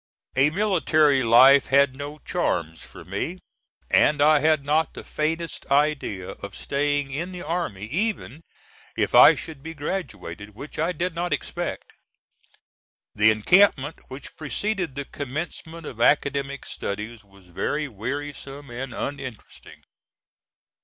A military life had no charms for me, and I had not the faintest idea of staying in the army even if I should be graduated, which I did not expect. The encampment which preceded the commencement of academic studies was very wearisome and uninteresting.